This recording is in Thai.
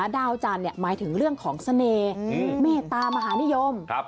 ดาวจันทร์หมายถึงเรื่องของเสน่ห์เมตตามหานิยม